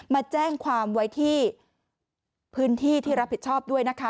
มาแจ้งความไว้ที่พื้นที่ที่รับผิดชอบด้วยนะคะ